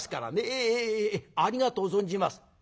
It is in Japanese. ええありがとう存じます。